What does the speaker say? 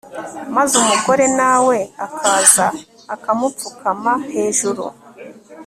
maze umugore nawe akaza akamupfukama hejuru